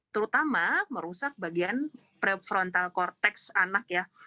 terutama merusak bagian prefrontal cortext anak ya